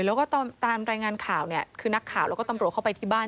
แล้วก็ตามรายงานข่าวเนี่ยคือนักข่าวแล้วก็ตำรวจเข้าไปที่บ้าน